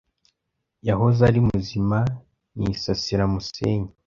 Yahoze ari muzima nisasira musenyi